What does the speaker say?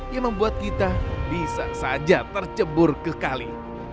yang membuat kita bisa saja tercebur ke kali